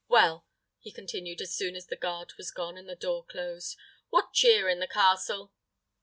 Well," he continued, as soon as the guard was gone, and the door closed, "what cheer in the castle?"